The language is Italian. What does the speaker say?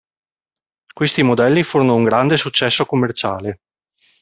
Questi modelli furono un grande successo commerciale.